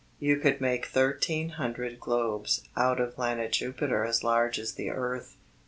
You could make thirteen hundred globes out of planet Jupiter as large as the earth.